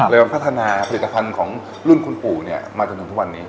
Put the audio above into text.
พัฒนาผลิตภัณฑ์ของรุ่นคุณปู่มาจนถึงทุกวันนี้